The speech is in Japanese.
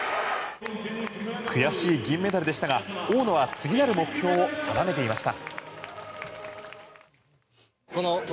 悔しい銀メダルでしたが大野は、次なる目標を定めていました。